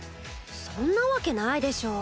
そんなわけないでしょ。